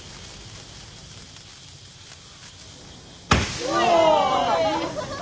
うわ！